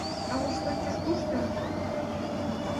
— А воштончыш кушто?